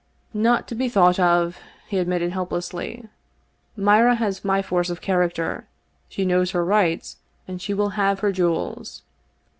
" Not to be thought of," he admitted helplessly. " Mira has my force of character. She knows her rights, and she will have her jewels.